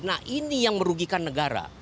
nah ini yang merugikan negara